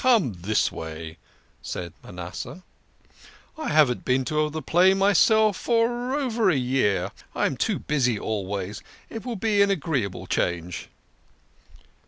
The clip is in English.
Come this way," said Ma nasseh. " I haven't been to the play myself for over a year. I am too busy always. It will be an agreeable change."